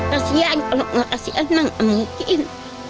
kasian kalau nggak kasian nggak mungkin